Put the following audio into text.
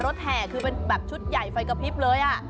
อ๋อรถแถคือเป็นชุดใหญ่ออกเลย